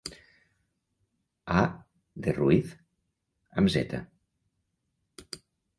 A. de Ruiz, amb zeta.